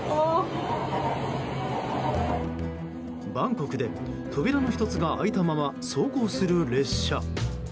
バンコクで扉の１つが開いたまま走行する列車。